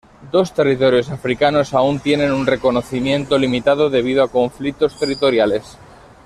Dos territorios africanos aún tienen un reconocimiento limitado debido a conflictos territoriales.